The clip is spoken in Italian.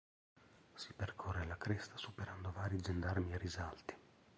Si percorre la cresta superando vari gendarmi e risalti.